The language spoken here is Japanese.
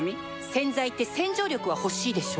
洗剤って洗浄力は欲しいでしょ